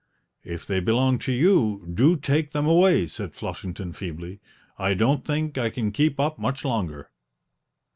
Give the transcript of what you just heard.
"If they belong to you, do take them away!" said Flushington feebly; "I don't think I can keep up much longer."